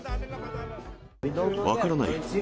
分からない。